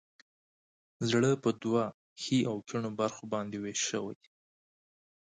زړه په دوو ښي او کیڼو برخو باندې ویش شوی.